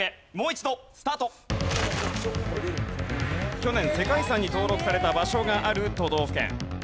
去年世界遺産に登録された場所がある都道府県。